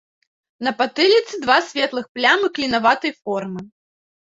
На патыліцы два светлых плямы клінаватай формы.